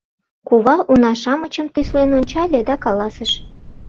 Кува уна-шамычым тӱслен ончале да каласыш: